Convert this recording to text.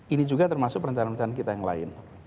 ini juga termasuk perencanaan perencanaan kita yang lain